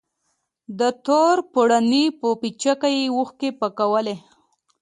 د تور پوړني په پيڅکه يې اوښکې پاکولې.